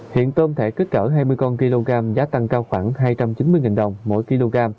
hiện tôm thể kích cỡ hai mươi con kg giá tăng cao khoảng hai trăm chín mươi đồng mỗi kg